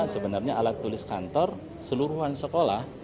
delapan puluh dua sebenarnya alat tulis kantor seluruhan sekolah